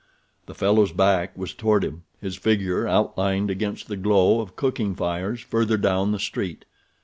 The fellow's back was toward him, his figure outlined against the glow of cooking fires further down the street.